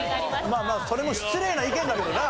まあまあそれも失礼な意見だけどな！